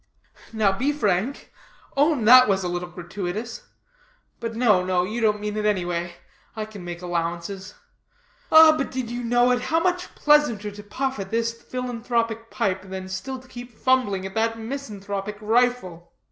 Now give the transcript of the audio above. "Now be frank. Own that was a little gratuitous. But, no, no, you didn't mean it; any way, I can make allowances. Ah, did you but know it, how much pleasanter to puff at this philanthropic pipe, than still to keep fumbling at that misanthropic rifle.